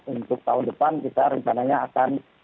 untuk tahun depan kita rencananya akan